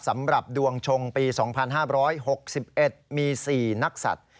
สำหรับดวงชงปี๒๕๖๑มี๔นักศัตริย์